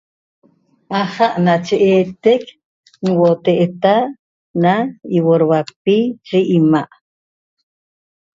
Aja' nache eetec ñiuoteeta na iuorhuapi ye ima'